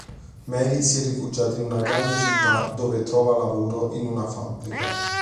Mary si è rifugiata in una grande città dove trova lavoro in una fabbrica.